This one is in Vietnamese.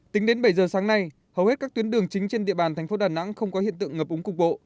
tính đến bảy giờ sáng nay hầu hết các tuyến đường chính trên địa bàn thành phố đà nẵng không có hiện tượng ngập úng cục bộ